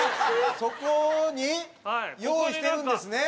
そこに用意してるんですね？